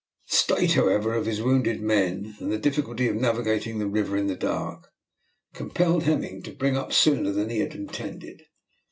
The state, however, of his wounded men, and the difficulty of navigating the river in the dark, compelled Hemming to bring up sooner than he had intended.